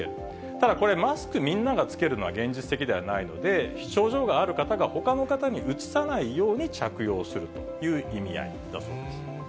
ただ、これ、マスクみんなが着けるのは現実的ではないので、症状がある方がほかの方にうつさないように着用するという意味合いだそうです。